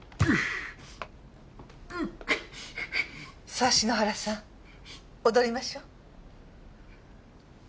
さあ篠原さん踊りましょう。